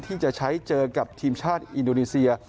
ที่จะใช้เจอกับทีมชาติอินโดนีเซีย